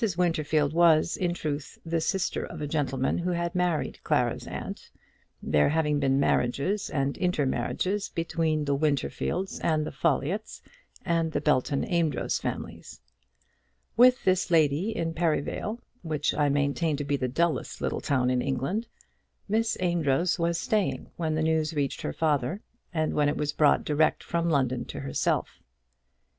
Winterfield was, in truth, the sister of a gentleman who had married Clara's aunt, there having been marriages and intermarriages between the Winterfields and the Folliotts, and the Belton Amedroz families. With this lady in Perivale, which I maintain to be the dullest little town in England, Miss Amedroz was staying when the news reached her father, and when it was brought direct from London to herself.